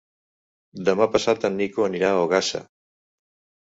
Demà passat en Nico anirà a Ogassa.